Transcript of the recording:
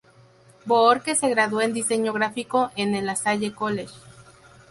Bohórquez se graduó en diseño gráfico en el Lasalle College.